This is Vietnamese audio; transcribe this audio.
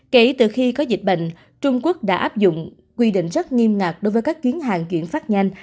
kể từ khi có dịch bệnh trung quốc đã áp dụng quy định rất nghiêm ngặt đối với các chuyến hàng chuyển phát nhanh